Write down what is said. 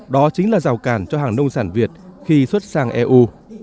đó chính là rào cản cho hàng nông sản việt khi xuất sang eu